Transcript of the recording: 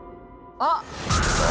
あっ！